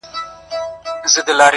• او ذهنونه بوخت ساتي ډېر ژر..